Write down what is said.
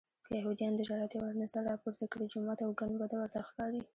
که یهودیان د ژړا دیوال نه سر راپورته کړي جومات او ګنبده ورته ښکاري.